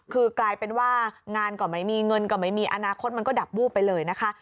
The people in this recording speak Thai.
คือกลายเป็นว่างานก็ไม่มีเงินก็ไม่มีอนาคตมันก็ดับวูบไปเลยนะคะ